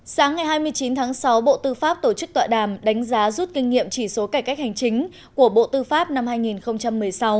sáng ngày hai mươi chín tháng sáu bộ tư pháp tổ chức tọa đàm đánh giá rút kinh nghiệm chỉ số cải cách hành chính của bộ tư pháp năm hai nghìn một mươi sáu